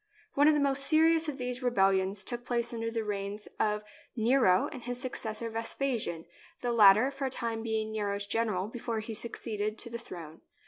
One of the most serious of these rebellions took place during the reigns of Nero and his successor, Vespasian, the latter for a time being Nero's gen eral before he succeeded to the throne.